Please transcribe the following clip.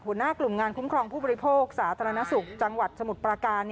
หัวหน้ากลุ่มงานคุ้มครองผู้บริโภคสาธารณสุขจังหวัดสมุทรปราการ